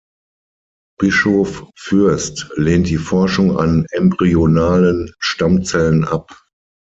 Bischof Fürst lehnt die Forschung an embryonalen Stammzellen ab.